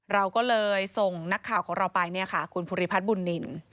เราก็เลยส่งนักข่าวของเราไปคุณภุริพัฐบุ่นนิน